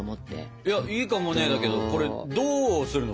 いいかもねだけどこれどうするの？